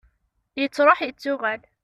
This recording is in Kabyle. yettruḥ yettuɣal